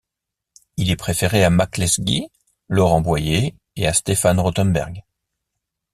Il est préféré à Mac Lesggy, Laurent Boyer et à Stéphane Rotenberg.